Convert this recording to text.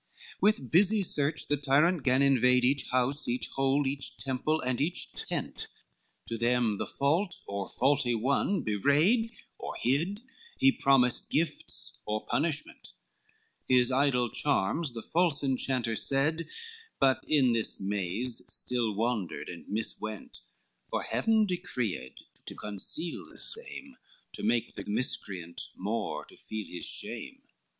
X With busy search the tyrant gan to invade Each house, each hold, each temple and each tent To them the fault or faulty one bewrayed Or hid, he promised gifts or punishment, His idle charms the false enchanter said, But in this maze still wandered and miswent, For Heaven decreed to conceal the same, To make the miscreant more to feel his shame.